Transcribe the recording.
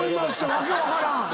訳分からん。